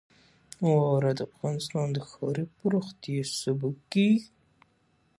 واوره د افغانستان د ښاري پراختیا سبب کېږي.